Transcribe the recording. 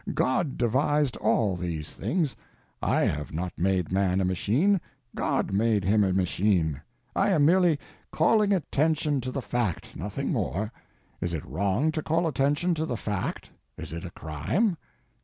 God devised all these things. I have not made man a machine, God made him a machine. I am merely calling attention to the fact, nothing more. Is it wrong to call attention to the fact? Is it a crime?